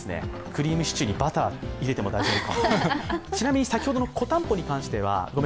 クリームシチューにバター入れても大丈夫。